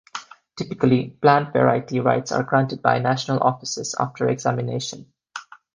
Typically, plant variety rights are granted by national offices, after examination.